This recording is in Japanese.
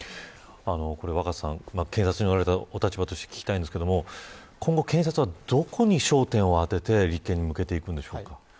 若狭さん、検察におられた立場として聞きたいですが今後、検察はどこに焦点を当てて立件を進めていくでしょうか。